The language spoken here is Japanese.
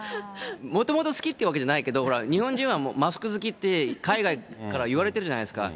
もともと好きっていうわけじゃないけど、日本人はマスク好きって、海外から言われてるじゃないですか。